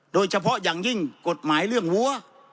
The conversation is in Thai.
โดยเฉพาะอย่างยิ่งกฎหมายเรื่องวัว